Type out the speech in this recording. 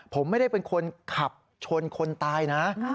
ผมไม่ได้เป็นคนขับชนคนตายนะ